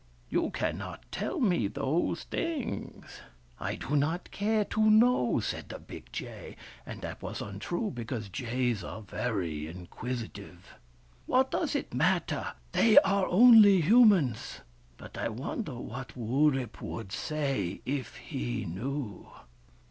" You cannot tell me those things." " I do not care to know," said the big jay ; and that was untrue, because jays are very inquisitive. " What does it matter ? They are only humans. But I wonder what Wurip would say, if he knew."